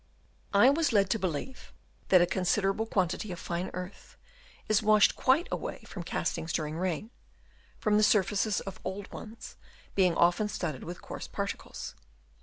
I was led to believe that a considerable quantity of fine earth is washed quite away from castings during rain, from the surfaces of old ones being often studded with coarse particles.